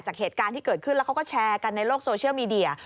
เหตุการณ์ที่เกิดขึ้นแล้วเขาก็แชร์กันในโลกโซเชียลมีเดีย